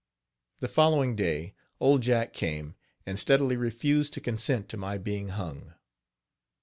The following day, Old Jack came, and steadily refused to consent to my being hung.